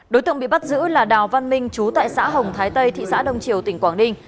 đối tượng bị bắt giữ là đào văn minh chú tại xã hồng thái tây thị xã đông triều tỉnh quảng ninh